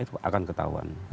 itu akan ketahuan